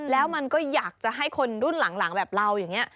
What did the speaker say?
แล้วมันก็อยากจะให้คนรุ่นหลังแบบเราอย่างนี้